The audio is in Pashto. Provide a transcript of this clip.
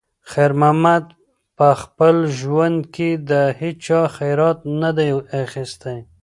خیر محمد په خپل ژوند کې د چا خیرات نه دی اخیستی.